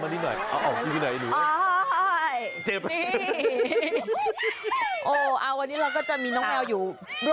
กางเล็บติดหัวขาวไว้อยู่